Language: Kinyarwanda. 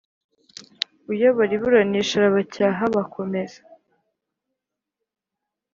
Uyobora iburanisha arabacyaha bakomeza